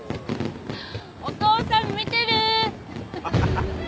お父さん見てるー？